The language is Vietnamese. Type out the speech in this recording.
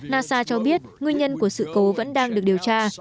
nasa cho biết nguyên nhân của sự cố vẫn đang được điều tra